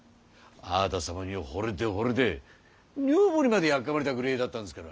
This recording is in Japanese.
あなた様にほれてほれて女房にまでやっかまれたぐれえだったんですから。